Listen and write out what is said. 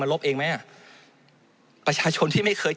มันตรวจหาได้ระยะไกลตั้ง๗๐๐เมตรครับ